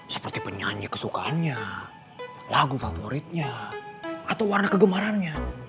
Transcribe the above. seperti penyanyi kesukaannya lagu favoritnya atau warna kegemarannya